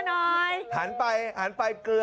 ขายมาตั้งสี่สิบกว่าปีแล้ว